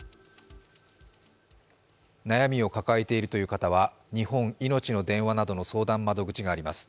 悩みを抱えているという方は日本いのちの電話などの相談窓口があります。